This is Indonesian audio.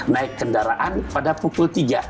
naik kendaraan pada pukul tiga